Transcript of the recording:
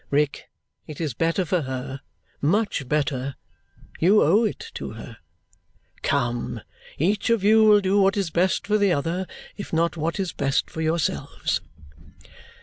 Rick, it is better for her, much better; you owe it to her. Come! Each of you will do what is best for the other, if not what is best for yourselves."